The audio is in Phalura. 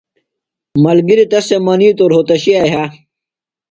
ملگِریۡ تس تھے منِیتوۡ روھوتشیہ یھہ۔